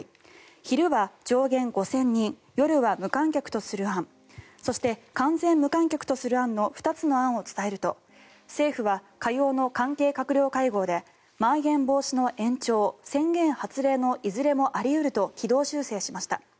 昼は上限５０００人夜は無観客とする案そして完全無観客という案の２つの案を伝えると政府は、火曜の関係閣僚会合でまん延防止措置の延長宣言発令のいずれもあり得ると軌道修正しました。